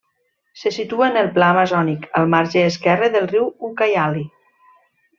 Se situa en el pla amazònic, al marge esquerre del riu Ucayali.